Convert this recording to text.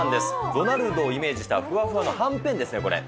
ドナルドをイメージしたふわふわのはんぺんですね、これ。